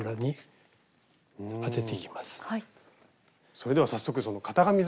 それでは早速その型紙作り。